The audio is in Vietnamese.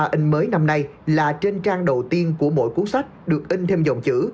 ba in mới năm nay là trên trang đầu tiên của mỗi cuốn sách được in thêm dòng chữ